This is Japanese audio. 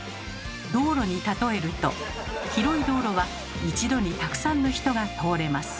道路に例えると広い道路は一度にたくさんの人が通れます。